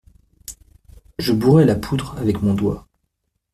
Je bourrai la poudre avec mon doigt.